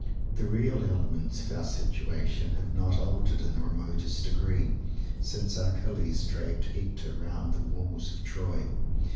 The real elements of our situation have not altered in the remotest degree since Achilles dragged Hector round the walls of Troy.